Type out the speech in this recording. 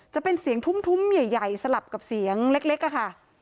จะเป็นเสียงทุ่มใหญ่สลับกับเสียงเล็กค่ะ